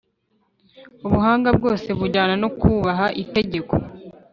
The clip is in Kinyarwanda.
ubuhanga bwose bujyana no kubaha itegeko.